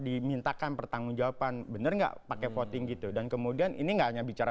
dimintakan pertanggungjawaban bener enggak pakai voting gitu dan kemudian ini enggak aja bicara